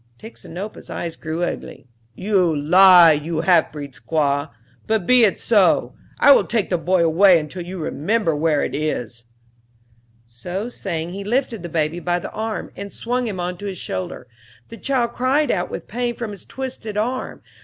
Tixinopa's eyes grew ugly. "You lie, you half breed squaw; but be it so, I will take the boy away until you remember where it is." So saying he lifted the baby by the arm and swung him on to his shoulder. The child cried out with pain from its twisted arm.